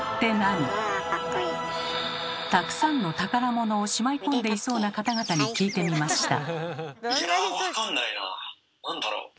たくさんの宝物をしまい込んでいそうな方々に聞いてみました。